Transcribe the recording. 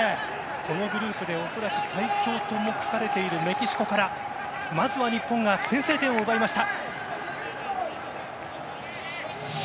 このグループで恐らく最強と目されているメキシコから、まずは日本が先制点を奪いました。